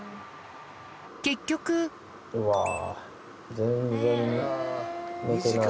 結局うわ全然寝てない。